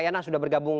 terima kasih pak